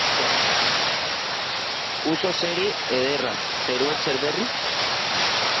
Uso zuri ederra, zeruan zer berri?